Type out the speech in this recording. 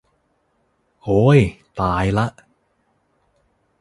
โอ้ย ตายละ